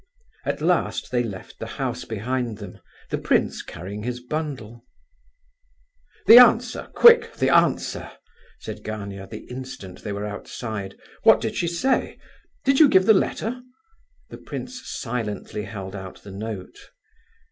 At last they left the house behind them, the prince carrying his bundle. "The answer—quick—the answer!" said Gania, the instant they were outside. "What did she say? Did you give the letter?" The prince silently held out the note.